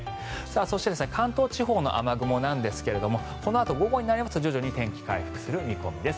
そして関東地方の雨雲なんですがこのあと午後になりますと徐々に天気回復する見込みです。